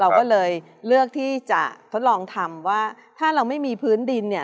เราก็เลยเลือกที่จะทดลองทำว่าถ้าเราไม่มีพื้นดินเนี่ย